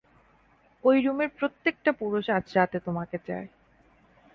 ঐ রুমের প্রত্যেকটা পুরুষ আজ রাতে তোমাকে চায়।